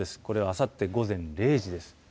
これはあさって午前０時です。